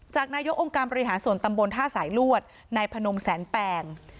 นายกองค์การบริหารส่วนตำบลท่าสายลวดนายพนมแสนแปง